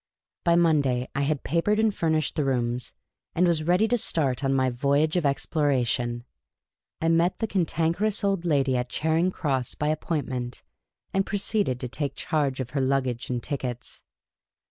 By Monday I had papered and furnished the rooms, and was ready to start on my voyage o^ exploration. I met the Cantankerous Old Lady at Charing Cross, by appointment, and proceeded to take charge of her luggage and tickets.